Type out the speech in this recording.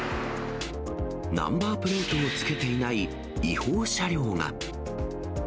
ナンバープレートをつけていない違法車両が。